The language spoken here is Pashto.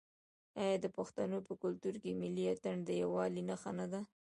آیا د پښتنو په کلتور کې ملي اتن د یووالي نښه نه ده؟